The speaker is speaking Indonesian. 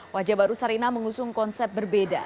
wajah baru sarinah mengusung konsep berbeda